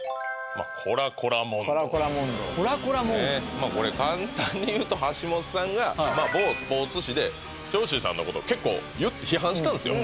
まぁこれ簡単に言うと橋本さんが某スポーツ紙で長州さんのことを結構批判したんですよ